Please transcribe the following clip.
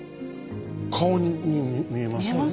顔に見えますよね。